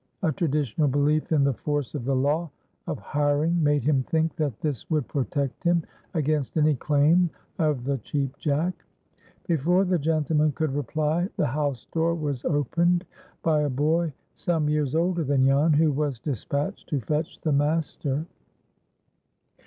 A traditional belief in the force of the law of hiring made him think that this would protect him against any claim of the Cheap Jack. Before the gentleman could reply, the house door was opened by a boy some years older than Jan, who was despatched to fetch "the master."